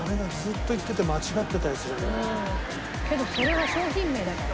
これこそけどそれは商品名だから。